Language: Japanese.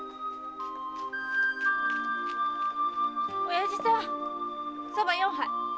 親父さんそば四杯！